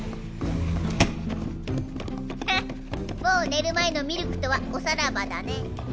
もう寝る前のミルクとはおさらばだね。